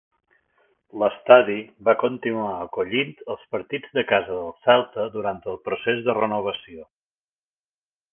L'estadi va continuar acollint els partits de casa del Celta durant el procés de renovació.